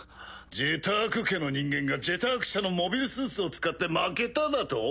ジェターク家の人間が「ジェターク社」のモビルスーツを使って負けただと？